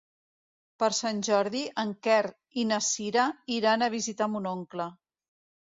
Per Sant Jordi en Quer i na Cira iran a visitar mon oncle.